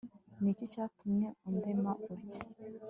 ni iki cyatumye undema utya